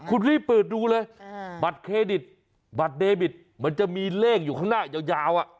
คุณรีบเปิดดูเลยบัตรเครดิตบัตรเดบิตมันจะมีเลขอยู่ข้างหน้ายาว